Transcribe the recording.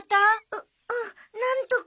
ううんなんとか。